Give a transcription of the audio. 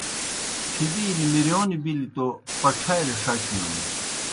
پِھبِیلیْ مِرِیون بِلیْ تو پڇھالیْ ݜچنَن